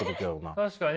確かにね。